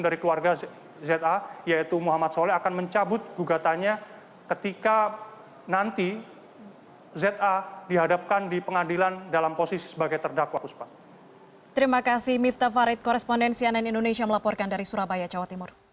dari keluarga za yaitu muhammad soleh akan mencabut gugatannya ketika nanti za dihadapkan di pengadilan dalam posisi sebagai terdakwa